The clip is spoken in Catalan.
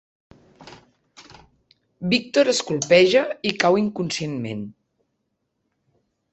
Víctor es colpeja i cau inconscientment.